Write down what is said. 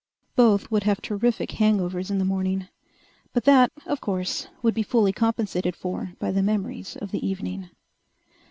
Both would have terrific hangovers in the morning. But that, of course, would be fully compensated for by the memories of the evening.